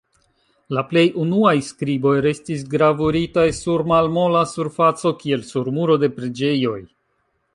La plej unuaj skriboj restis gravuritaj sur malmola surfaco kiel sur muro de preĝejoj.